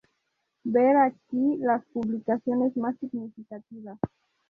Ver aquí las publicaciones más significativas.